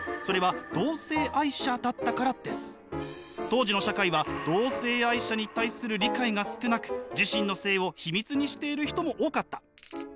当時の社会は同性愛者に対する理解が少なく自身の性を秘密にしている人も多かった。